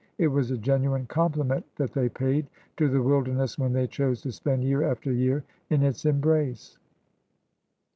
It was a genuine compliment that they paid to the wilderness when they chose to spend year after year in its embrace.